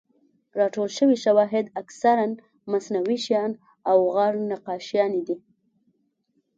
راټول شوي شواهد اکثراً مصنوعي شیان او غار نقاشیانې دي.